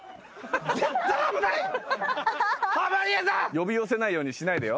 呼び寄せないようにしないでよ。